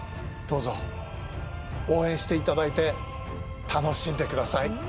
どうぞ応援していただいて楽しんでください。